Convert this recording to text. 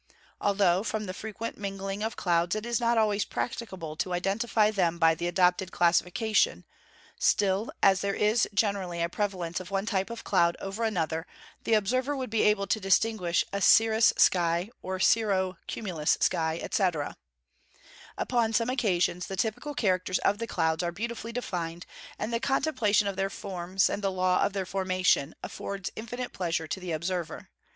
Although, from the frequent mingling of clouds, it is not always practicable to identify them by the adopted classification, still, as there is generally a prevalence of one type of cloud over another, the observer would be able to distinguish a "Cirrus sky," or "Cirro cumulus sky," &c. Upon some occasions the typical characters of the clouds are beautifully defined; and the contemplation of their forms, and the laws of their formation, affords infinite pleasure to the observer.